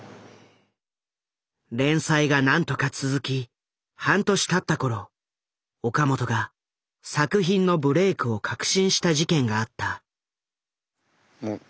連載が何とか続き半年たった頃岡本が作品のブレークを確信した事件があった。